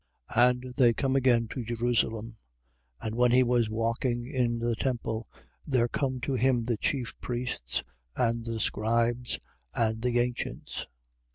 11:27. And they come again to Jerusalem. And when he was walking in the temple, there come to him the chief priests and the scribes and the ancients.